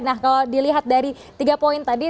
nah kalau dilihat dari tiga poin tadi